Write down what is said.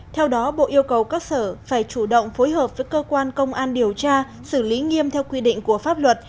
theo đó bộ yêu cầu các sở phải chủ động phối hợp với cơ quan công an điều tra xử lý nghiêm theo quy định của pháp luật